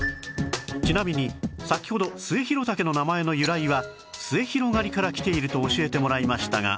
ちなみに先ほどスエヒロタケの名前の由来は「末広がり」からきていると教えてもらいましたが